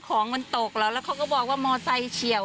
ของมันตกแล้วแล้วเขาก็บอกว่ามอไซคเฉียว